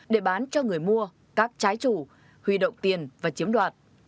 để bán cho người mua các trái chủ huy động tiền và chiếm đoạt